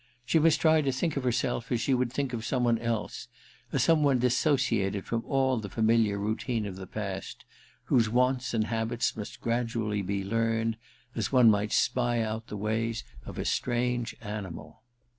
She must try to think of herself as she would think of some one else, a some one dissociated from all the familiar routine of the past, whose wants and habits must gradually be learned, as one might spy out the ways of a strange animal.